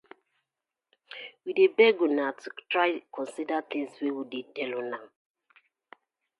We dey beg una to try consider the tinz wey we dey tell una.